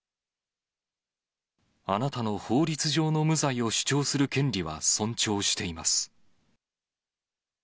あなたの法律上の無罪を主張する権利は尊重しています。